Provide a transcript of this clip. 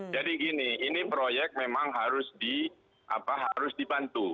jadi gini ini proyek memang harus dibantu